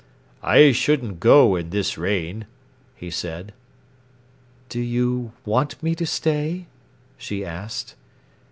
"I shouldn't go in this rain," he said. "Do you want me to stay?" she asked.